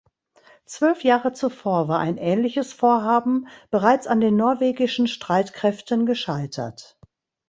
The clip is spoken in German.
Zwölf Jahre zuvor war ein ähnliches Vorhaben bereits an den norwegischen Streitkräften gescheitert.